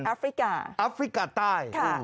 อัฟริกาอัฟริกาใต้ค่ะค่ะ